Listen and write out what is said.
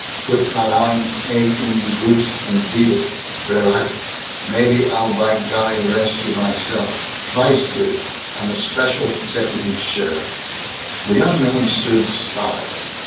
put mal ein egg in die boots and beat it, verleicht maybe I'll by golly arrest you myself, weiss du! I'm a special deputy sheriff." The young man stood stockily.